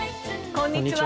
こんにちは。